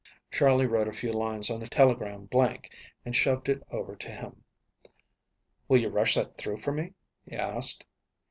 Charley wrote a few lines on a telegram blank and shoved it over to him. "Will you rush that through for me?" he asked.